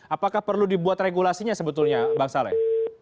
apakah perlu dibuat regulasinya sebetulnya bang saleh